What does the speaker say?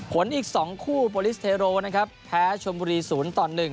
อีก๒คู่โปรลิสเทโรนะครับแพ้ชนบุรี๐ต่อ๑